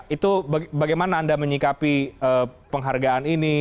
itu bagaimana anda menyikapi penghargaan ini